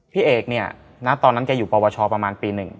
พี่เอกเนี่ยณตอนนั้นแกอยู่ปวชประมาณปี๑